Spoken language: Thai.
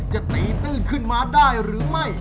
จะตีตื้นขึ้นมาได้หรือไม่